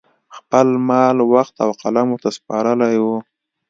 خپل مال، وخت او قلم ورته سپارلي وو